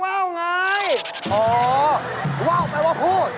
อ๋อวาวหมายความว่าพูด